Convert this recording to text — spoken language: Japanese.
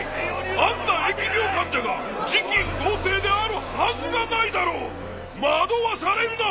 あんな疫病患者が次期皇帝であるはずがないだろう惑わされるな！